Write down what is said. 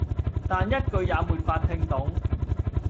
但一句也沒法聽懂